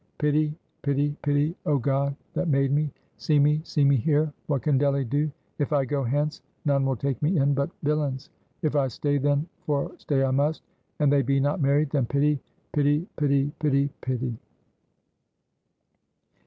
pity! pity! pity! Oh God that made me, See me, see me here what can Delly do? If I go hence, none will take me in but villains. If I stay, then for stay I must and they be not married, then pity, pity, pity, pity, pity!"